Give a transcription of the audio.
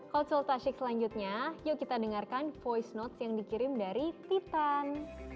hot shots classic selanjutnya yuk kita dengarkan voice note yang dikirim dari titan